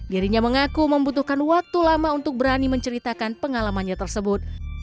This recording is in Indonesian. dirinya mengaku membutuhkan waktu lama untuk berani menceritakan pengalamannya tersebut